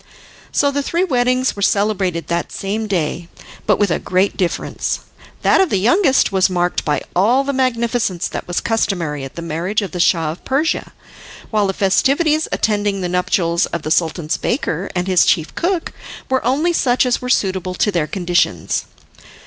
So the three weddings were celebrated that same day, but with a great difference. That of the youngest was marked by all the magnificence that was customary at the marriage of the Shah of Persia, while the festivities attending the nuptials of the Sultan's baker and his chief cook were only such as were suitable to their conditions.